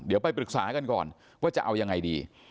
เดี๋ยวไปปรึกษากันก่อนว่าจะเอายังไงดี